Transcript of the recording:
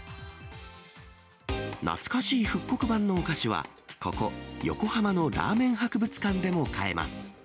懐かしい復刻版のお菓子は、ここ、横浜のラーメン博物館でも買えます。